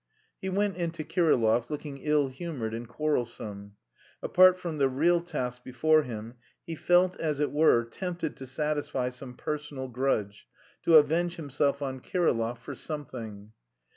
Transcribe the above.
He went in to Kirillov, looking ill humoured and quarrelsome. Apart from the real task before him, he felt, as it were, tempted to satisfy some personal grudge, to avenge himself on Kirillov for something.